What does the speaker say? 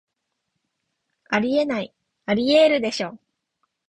あり得ない、アリエールでしょ